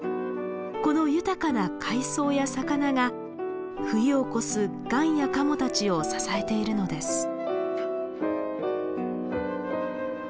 この豊かな海藻や魚が冬を越すガンやカモたちを支えているのです。